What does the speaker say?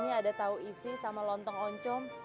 ini ada tahu isi sama lontong oncom